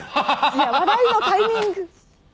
いや笑いのタイミング。